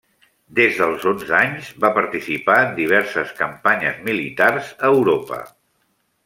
Des dels onze anys va participar en diverses campanyes militars a Europa.